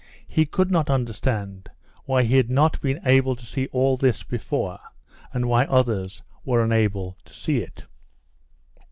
He could not understand why he had not been able to see all this before, and why others were unable to see it.